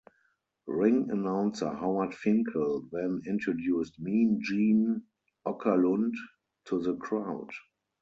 Ring announcer Howard Finkel then introduced "Mean" Gene Okerlund to the crowd.